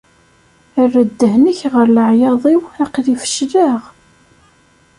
Err-d ddehn-ik ɣer leɛyaḍ-iw, aql-i fecleɣ!